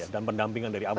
dan pendampingan dari awal